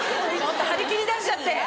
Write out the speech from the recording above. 張り切り出しちゃって。